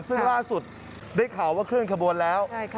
ซึ่งล่าสุดได้ข่าวว่าเคลื่อนขบวนแล้ว